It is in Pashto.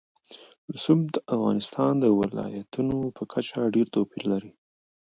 رسوب د افغانستان د ولایاتو په کچه ډېر توپیر لري.